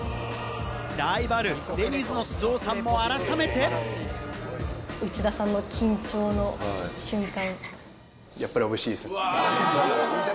ライバル、デニーズの須藤さ内田さんも緊張の瞬間。